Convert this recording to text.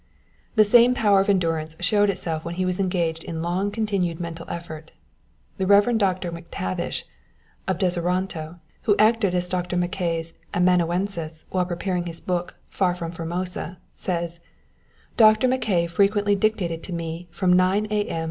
The same power of endurance showed itself when he was engaged in long continued mental effort. Rev. Dr. McTavish, of Deseronto, who acted as Dr. Mackay's amanuensis while preparing his book, "From Far Formosa," says: "Dr. Mackay frequently dictated to me from 9 a.m.